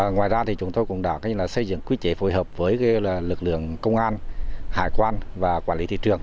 ngoài ra thì chúng tôi cũng đã xây dựng quy chế phối hợp với lực lượng công an hải quan và quản lý thị trường